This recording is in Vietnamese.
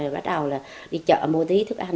bắt đầu là đi chợ mua tí thức ăn